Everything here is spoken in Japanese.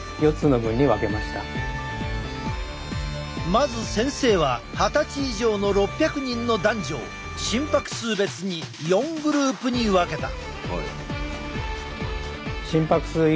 まず先生は二十歳以上の６００人の男女を心拍数別に４グループに分けた。